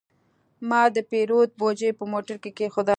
ما د پیرود بوجي په موټر کې کېښوده.